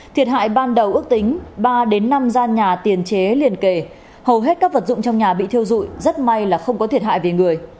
thiệt hại ban đầu ước tính ba đến năm gian nhà tiền chế liên kề hầu hết các vật dụng trong nhà bị thiêu dụi rất may là không có thiệt hại về người